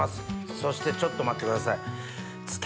そしてちょっと待ってください。